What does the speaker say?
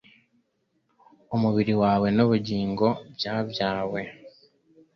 Umubiri wawe nubugingo byabyaye